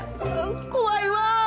怖いわぁ。